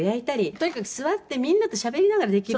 「とにかく座ってみんなとしゃべりながらできるのがいい」